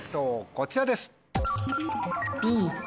こちらです。